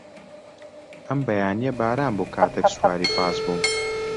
ئەم بەیانییە باران بوو کاتێک سواری پاس بووم.